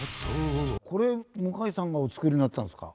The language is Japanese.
これ向井さんがお作りになったんですか？